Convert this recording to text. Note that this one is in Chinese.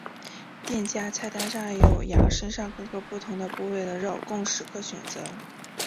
店家菜单上有羊身上各个不同的部位的肉供食客选择。